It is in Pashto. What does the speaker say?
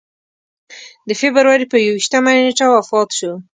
د فبروري پر یوویشتمه نېټه وفات شو.